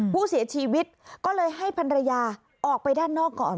ผู้เสียชีวิตก็เลยให้พันรยาออกไปด้านนอกก่อน